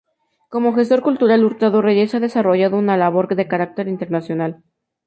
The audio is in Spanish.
Como gestor cultural Hurtado Reyes ha desarrollado una labor de carácter internacional.